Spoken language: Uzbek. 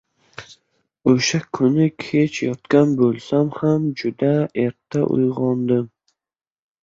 O‘sha kuni kech yotgan bo‘lsam ham juda erta uyg‘ondim.